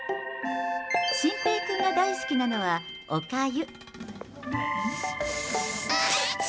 慎平くんが大好きなのは、おかゆ。